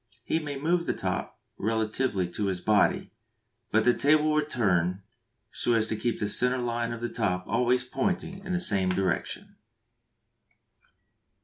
He may move the top relatively to his body, but the table will turn so as to keep the centre line of the top always pointing in the same direction.